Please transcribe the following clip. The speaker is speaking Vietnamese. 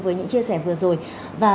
với những chia sẻ vừa rồi và